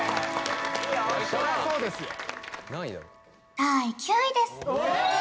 第９位です！